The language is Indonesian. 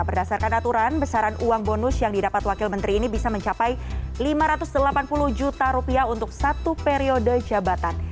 berdasarkan aturan besaran uang bonus yang didapat wakil menteri ini bisa mencapai lima ratus delapan puluh juta rupiah untuk satu periode jabatan